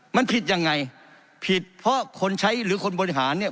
มันผิดยังไงผิดเพราะคนใช้หรือคนบริหารเนี่ย